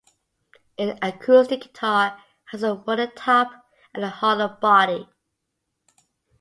An acoustic guitar has a wooden top and a hollow body.